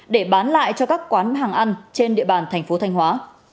để bán lại cho các quán hàng ăn trên địa bàn thành phố thanh hóa